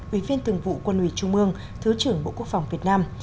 ủy viên thường vụ quân ủy trung mương thứ trưởng bộ quốc phòng việt nam